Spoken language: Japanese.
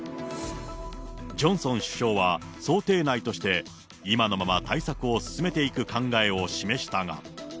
ジョンソン首相は想定内として、今のまま対策を進めていく考えを示したが。